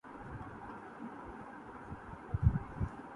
ایجنڈے کے مطابق کل ہی اسپیکر قومی اسمبلی کا الیکشن اور حلف برداری ہوگی۔